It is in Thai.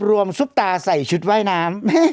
ซุปตาใส่ชุดว่ายน้ำ